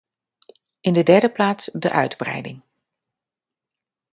In de derde plaats de uitbreiding.